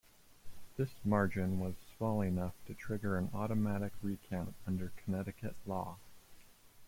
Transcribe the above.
This margin was small enough to trigger an automatic recount under Connecticut law.